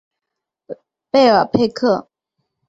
贝尔佩克。